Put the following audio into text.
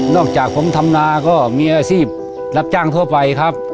จากผมทำนาก็มีอาชีพรับจ้างทั่วไปครับ